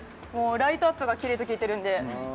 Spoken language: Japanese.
ライトアップがきれいだと聞いてるので。